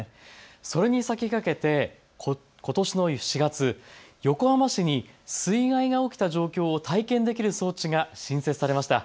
それに先駆けてことしの４月、横浜市に水害が起きた状況を体験できる装置が新設されました。